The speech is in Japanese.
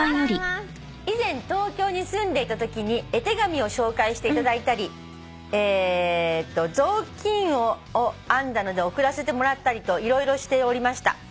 以前東京に住んでいたときに絵手紙を紹介していただいたり雑巾を編んだので送らせてもらったりと色々しておりました」